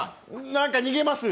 なんか逃げます。